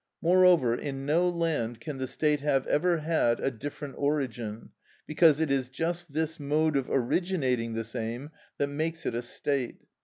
Moreover, in no land can the state have ever had a different origin, because it is just this mode of originating this aim that makes it a state.